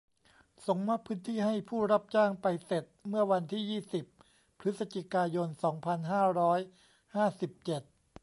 ส่งมอบพื้นที่ให้ผู้รับจ้างไปเสร็จเมื่อวันที่ ยี่สิบ พฤศจิกายน สองพันห้าร้อยห้าสิบเจ็ด